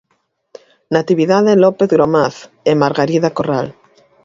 Natividade López Gromaz e Margarida Corral.